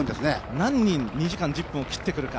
何人、２時間１０分を切ってくるか。